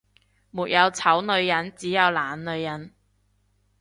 沒有醜女人，只有懶女人